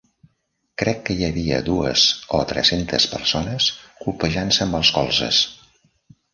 Crec que hi havia dues o tres-centes persones colpejant-se amb els colzes.